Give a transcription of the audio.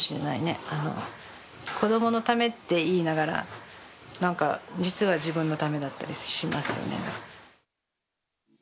子どものためって言いながらなんか実は自分のためだったりしますよね。